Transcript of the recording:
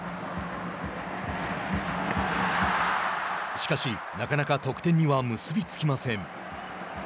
しかし、なかなか得点には結びつきません。